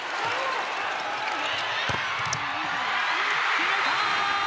決めた。